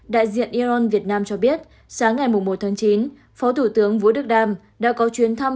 đại diện ion việt nam cho biết sáng ngày một tháng chín phó thủ tướng vũ đức đam đã có chuyến thăm